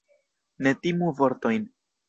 Ne timu vortojn.